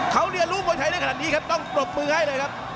เขาเรียนรู้มวยไทยได้ขนาดนี้ครับต้องปรบมือให้เลยครับ